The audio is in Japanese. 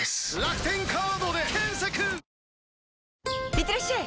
いってらっしゃい！